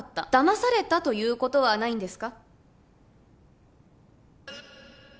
騙されたということはないんですか？